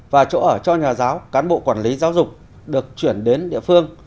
và chỗ ở cho nhà giáo cán bộ quản lý giáo dục được chuyển đến địa phương